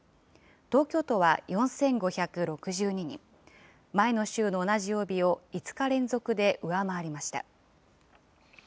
東京都は４５６２人、前の週の同じ曜日を５日連続で上回りました。